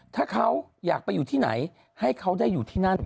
ถ้าเขาอยากไปอยู่ที่ไหนให้เขาได้อยู่ที่นั่น